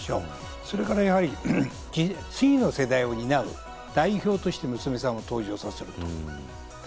それからやはり、次の世代を担う代表として娘さんを登場させた。